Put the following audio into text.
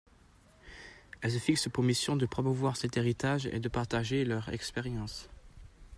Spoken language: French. Elles se fixent pour mission de promouvoir cet héritage et de partager leur expérience.